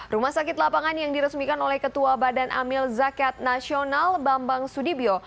rumah sakit lapangan yang diresmikan oleh ketua badan amil zakat nasional bambang sudibyo